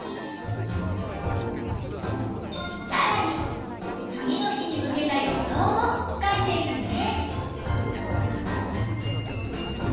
さらに次の日に向けた予想も書いているね。